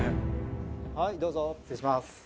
はいどうぞ失礼します